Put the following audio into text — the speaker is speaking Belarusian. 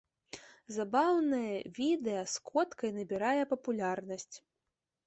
Забаўнае відэа з коткай набірае папулярнасць.